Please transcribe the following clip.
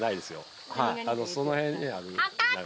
その辺にある。